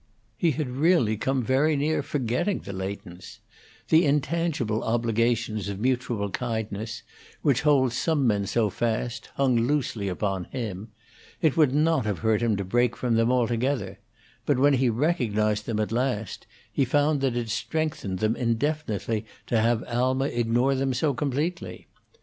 He had really come very near forgetting the Leightons; the intangible obligations of mutual kindness which hold some men so fast, hung loosely upon him; it would not have hurt him to break from them altogether; but when he recognized them at last, he found that it strengthened them indefinitely to have Alma ignore them so completely.